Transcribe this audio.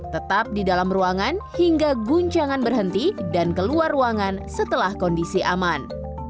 tetap di dalam ruangan hingga guncangan berhenti dan keluar ruangan setelah kondisi aman